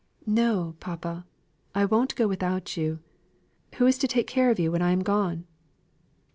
"No, papa, I won't go without you. Who is to take care of you when I am gone?"